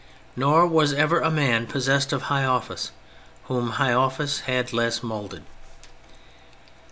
Nor was ever a man possessed of high office whom high office had less moulded.